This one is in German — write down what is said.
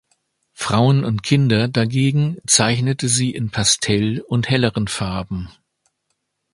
Frauen und Kinder dagegen zeichnete sie in Pastell und helleren Farben.